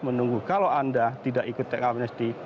menunggu kalau anda tidak ikut teks amnesti